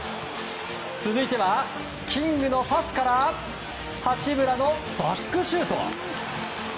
続いては、キングのパスから八村のバックシュート。